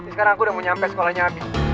sekarang aku udah mau nyampe sekolahnya habis